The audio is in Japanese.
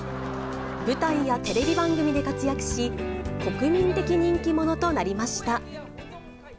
舞台やテレビ番組で活躍し、国民的人気者となりました。